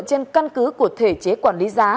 trên căn cứ của thể chế quản lý giá